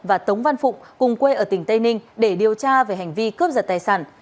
lê nghĩa và tống văn phúc cùng quê ở tỉnh tây ninh để điều tra về hành vi cướp giật tài sản